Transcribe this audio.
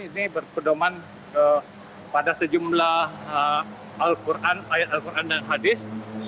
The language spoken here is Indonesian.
ini berpedoman pada sejumlah ayat al quran dan hadis